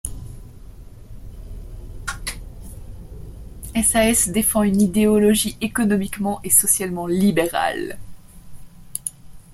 SaS défend une idéologie économiquement et socialement libérale.